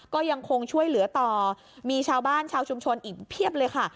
ก็ยังคงช่วยเหลือต่อมีชาวบ้านชาวชุมชนอีกเพียบเลยค่ะ